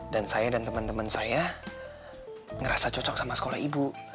dan saya dan temen temen saya ngerasa cocok sama sekolah ibu